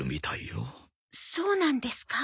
そうなんですか？